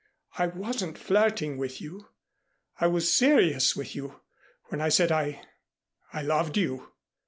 I wasn't flirting with you. I was serious with you when I said I I loved you.